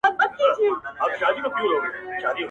پيل چي ژوندى وي يو لک دئ، چي مړ سي دوه لکه دئ.